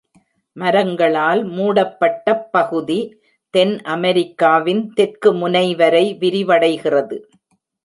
மரங்களால் மூடப்பட்டப் பகுதி தென் அமெரிக்காவின் தெற்கு முனைவரை விரிவடைகிறது.